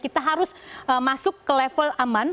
kita harus masuk ke level aman